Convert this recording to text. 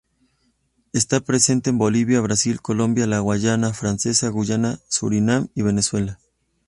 Está presente en Bolivia, Brasil, Colombia, la Guayana francesa, Guyana, Surinam y Venezuela.